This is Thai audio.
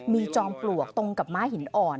มีจอมปลวกตรงกับม้าหินอ่อน